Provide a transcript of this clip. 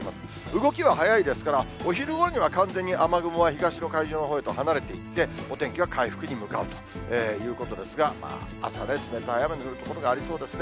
動きは速いですから、お昼ごろには完全に雨雲が東の海上のほうに離れていって、お天気は回復に向かうということですが、朝は冷たい雨の降る所がありそうですね。